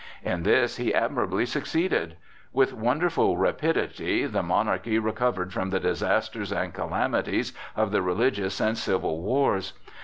In this he admirably succeeded. With wonderful rapidity the monarchy recovered from the disasters and calamities of the religious and civil wars.